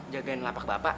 jagain lapak bapak